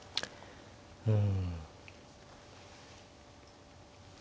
うん。